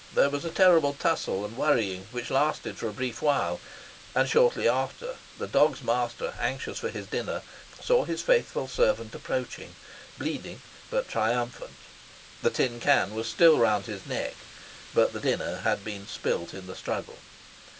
There was a terrible tussle and worrying, which lasted for a brief while, and, shortly after, the dog's master, anxious for his dinner, saw his faithful servant approaching, bleeding but triumphant. The tin can was still round his neck, but the dinner had been spilt in the struggle.